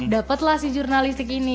dapet lah si jurnalistik ini